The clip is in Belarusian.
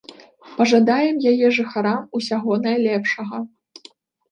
Пажадаем яе жыхарам усяго найлепшага.